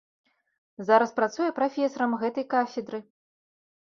Зараз працуе прафесарам гэтай кафедры.